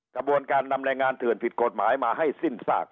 กระบวนการนำแรงงานเถื่อนผิดกฎหมายมาให้สิ้นซาก